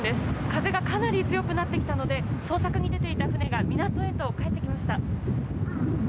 風がかなり強くなってきたので捜索に出ていた船が港へと帰ってきました。